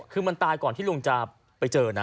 คือมันตายก่อนที่ลุงจะไปเจอนะ